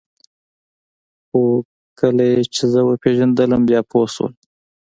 خو کله یې چې زه وپېژندلم بیا پوه شول